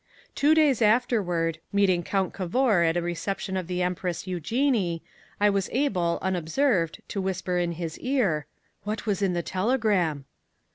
"Two days afterward, meeting Count Cavour at a reception of the Empress Eugenie, I was able, unobserved, to whisper in his ear, 'What was in the telegram?'